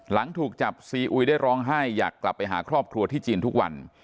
หลังถูกจับซีอุยได้ร้องไห้อยากกลับไปหาครอบครัวที่จีนทุกวัน